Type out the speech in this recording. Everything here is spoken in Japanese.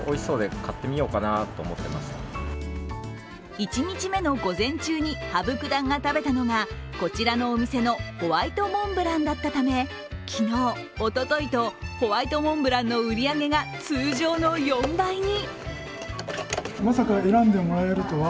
１日目の午前中に羽生九段が食べたのが、こちらのお店のホワイトモンブランだったため、昨日、おとといと、ホワイトモンブランの売り上げが通常の４倍に。